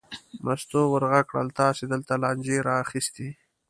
مستو ور غږ کړل: تاسې دلته لانجې را اخیستې.